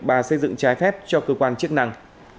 và xây dựng trái phép cho cơ quan chức năng